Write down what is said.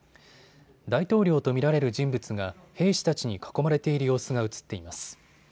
大統領と見られる人物が兵士たちに囲まれている様子が写っています。